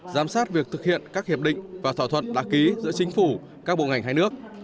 giám sát việc thực hiện các hiệp định và thỏa thuận đạt ký giữa chính phủ các bộ ngành hai nước